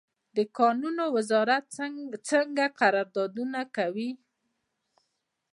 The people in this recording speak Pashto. د کانونو وزارت څنګه قراردادونه کوي؟